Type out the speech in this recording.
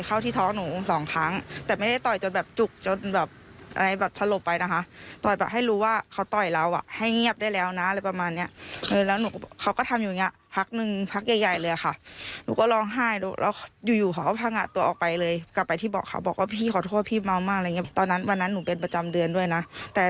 อ่านรองฟังเสียงผู้เสียหายดูค่ะ